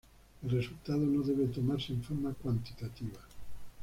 El resultado no debe tomarse en forma cuantitativa.